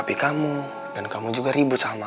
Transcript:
artinya mungkin mereka itu dummy a tiga